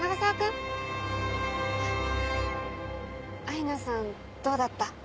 アイナさんどうだった？